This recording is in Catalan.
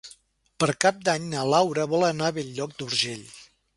Per Cap d'Any na Laura vol anar a Bell-lloc d'Urgell.